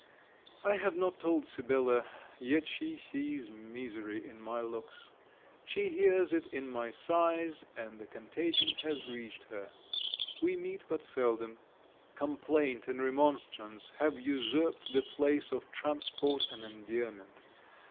I have not told Sibella, yet she sees misery in my looks. She hears it in my sighs, and the contagion has reached her. We meet but seldom. Complaint and remonstrance have usurped the place of transport and endearment.